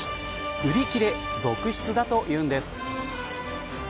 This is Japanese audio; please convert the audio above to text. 売り切れ続出だというんです。